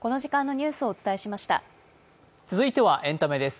続いてはエンタメです。